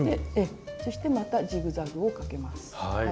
そしてまたジグザグをかけます。